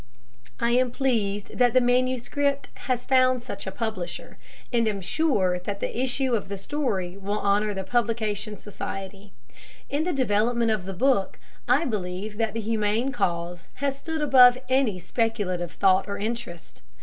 I am pleased that the manuscript has found such a publisher, and am sure that the issue of the story will honor the Publication Society. In the development of the book, I believe that the humane cause has stood above any speculative thought or interest.